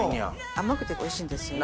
甘くておいしいんですよね。